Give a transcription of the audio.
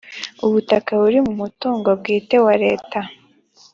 ubutaka buri mu mutungo bwite wa leta